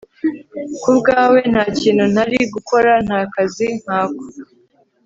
kubwawe ntakintu ntari gukora, ntakazi nkako